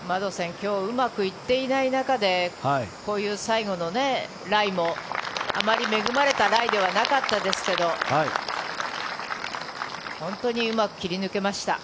今日うまくいっていない中でこういう最後のライもあまり恵まれたライではなかったですけど本当にうまく切り抜けました。